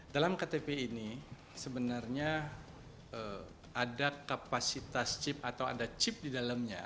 dalam ktp ini sebenarnya ada kapasitas chip atau ada chip di dalamnya